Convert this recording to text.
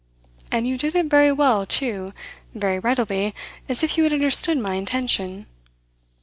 "And you did it very well, too very readily, as if you had understood my intention."